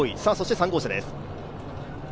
３号車です。